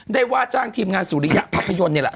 ว่าจ้างทีมงานสุริยะภาพยนตร์นี่แหละ